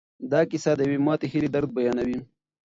دا کیسه د یوې ماتې هیلې درد بیانوي.